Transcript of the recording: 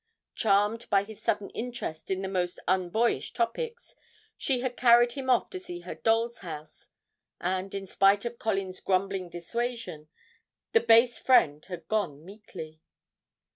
Charmed by his sudden interest in the most unboyish topics, she had carried him off to see her doll's house, and, in spite of Colin's grumbling dissuasion, the base friend had gone meekly.